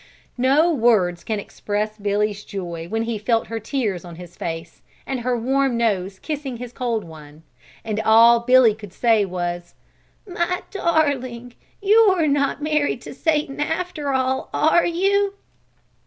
No words can express Billy's joy when he felt her tears on his face and her warm nose kissing his cold one, and all Billy could say was, "My darling, you are not married to Satan after all, are you?"